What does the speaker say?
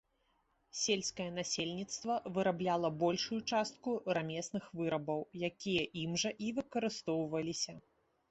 Сельскае насельніцтва вырабляла большую частку рамесных вырабаў, якія ім жа і выкарыстоўваліся.